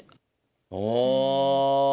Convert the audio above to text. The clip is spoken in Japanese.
ああ。